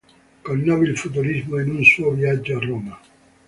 Conobbe il futurismo in un suo viaggio a Roma.